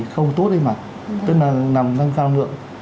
không tốt đấy mà tức là nâng năng năng lượng